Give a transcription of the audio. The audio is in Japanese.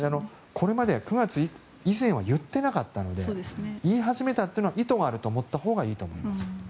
これまで９月以前は言っていなかったので言い始めたというのは意図があると思ったほうがいいと思います。